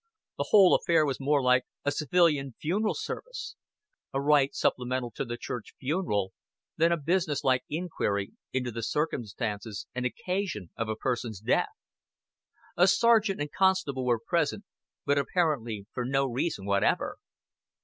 The whole affair was more like a civilian funeral service a rite supplemental to the church funeral than a businesslike inquiry into the circumstances and occasion of a person's death. A sergeant and constable were present, but apparently for no reason whatever.